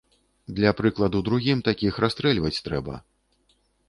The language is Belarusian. Для прыкладу другім такіх расстрэльваць трэба!